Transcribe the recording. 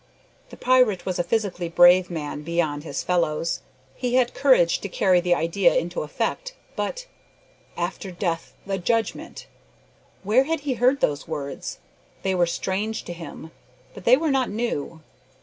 The pirate was a physically brave man beyond his fellows. He had courage to carry the idea into effect but "after death the judgment!" Where had he heard these words? They were strange to him, but they were not new.